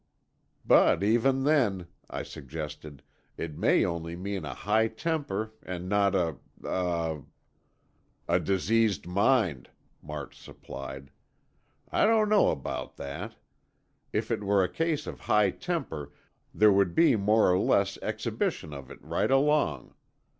"But, even then," I suggested, "it may only mean a high temper and not a—a——" "A diseased mind," March supplied. "I don't know about that. If it were a case of high temper there would be more or less exhibition of it right along.